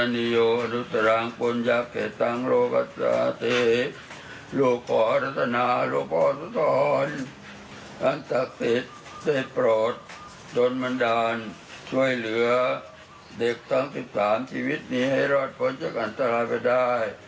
โดนบันดาลช่วยเหลือเด็กทั้ง๑๓ชีวิตนี้ให้รอดพ้นชะกันตลายไปได้